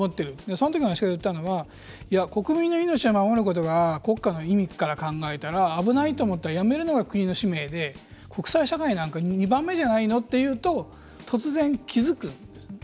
そのときに私が言ったのは国民の命を守ることが国家の意味から考えたら危ないと思ったらやめるのが国の使命で、国際社会なんか２番目なんじゃないのって言うと突然、気付くんですね。